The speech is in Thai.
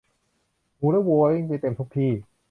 หมูและวัววิ่งเต็มไปทุกที่